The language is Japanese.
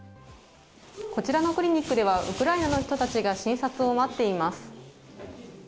こちらのクリニックではウクライナの人たちが診察を待っています。